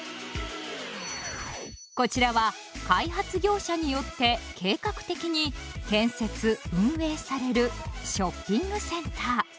こちらは開発業者によって計画的に建設・運営されるショッピングセンター。